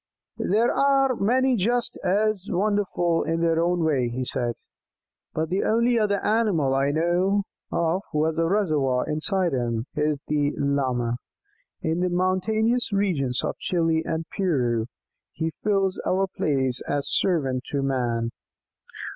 "There are many just as wonderful in their own way," he said, "but the only other animal I know of who has this 'reservoir' inside him is the Llama. In the mountainous regions of Chili and Peru he fills our place as servant to man."